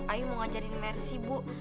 ayu mau ajarin mercy bu